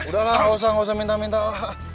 udah lah gak usah minta minta lah